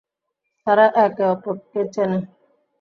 তারা এক অপরকে চেনে?